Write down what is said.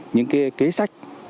những kế sách